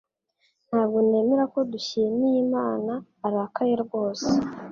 Ntabwo nemera ko Dushyimiyimana arakaye rwose